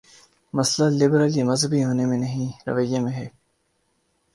مسئلہ لبرل یا مذہبی ہو نے میں نہیں، رویے میں ہے۔